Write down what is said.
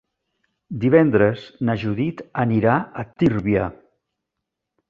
Divendres na Judit anirà a Tírvia.